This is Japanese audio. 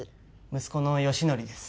息子の良典です